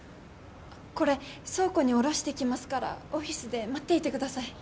これ倉庫に下ろしてきますからオフィスで待っていてください。